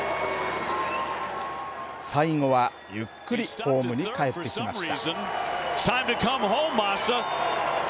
最後はゆっくりホームにかえってきました。